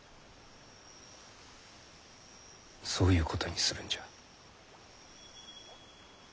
そういうことにするんじゃ。